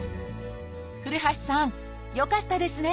古橋さんよかったですね！